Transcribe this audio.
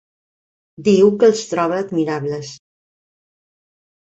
Diu que els troba admirables.